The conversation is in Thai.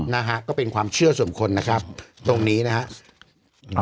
นะฮะก็เป็นความเชื่อส่วนคนนะครับตรงนี้นะครับ